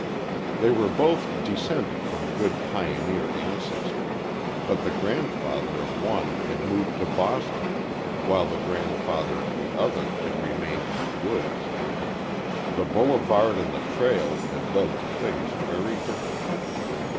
They were both descended from good pioneer ancestry, but the grandfather of one had moved to Boston, while the grandfather of the other had remained in the woods. The boulevard and the trail had led to things very different.